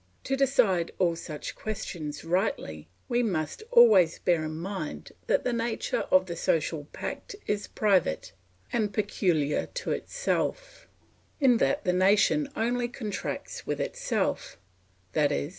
To decide all such questions rightly, we must always bear in mind that the nature of the social pact is private and peculiar to itself, in that the nation only contracts with itself, i.e.